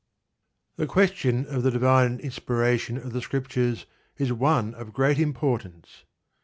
The question of the divine inspiration of the Scriptures is one of great importance.